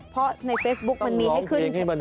อ๋อเพราะในเฟซบุ๊กมันมีให้ขึ้นสเตตัส